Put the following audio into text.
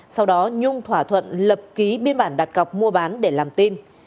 sau đó nhung thỏa thuận lập ký biên bản đặt cọc mua bán để làm tin